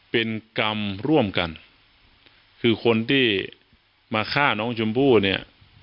เป็นกรรมร่วมกันคือคนที่มาฆ่าน้องชมพู่เนี่ย